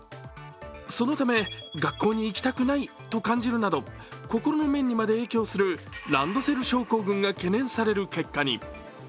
そのため学校に行きたくないと感じるなど心の面にまで影響するランドセル症候群が懸念される結果に。